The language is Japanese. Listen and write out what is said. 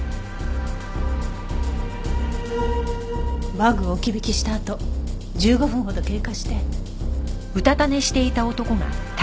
バッグを置き引きしたあと１５分ほど経過して。